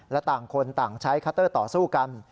และต่างคนต่างใช้คัตเตอร์ต่อสู้กัน